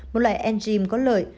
một loại enzyme có lợi